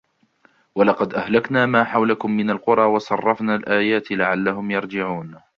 ولقد أهلكنا ما حولكم من القرى وصرفنا الآيات لعلهم يرجعون